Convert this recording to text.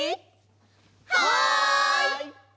はい！